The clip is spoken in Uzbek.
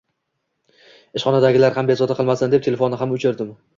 Ishxonadagilar ham bezovta qilmasin deb, telefonni ham oʻchirdim